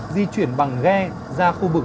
di chuyển bằng ghe ra khu vực